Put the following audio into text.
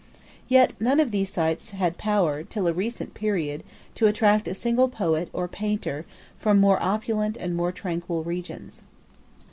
Yet none of these sights had power, till a recent period, to attract a single poet or painter from more opulent and more tranquil regions.